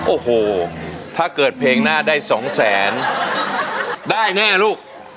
โอ้โหถ้าเกิดเพลงหน้าได้สองแสนได้แน่ลูก